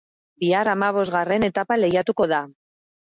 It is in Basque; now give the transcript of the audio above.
Bihar hamabosgarren etapa lehiatuko da.